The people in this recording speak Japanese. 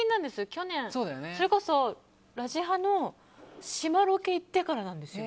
去年、それこそ「ラジハ」の島ロケ行ってからなんですよ。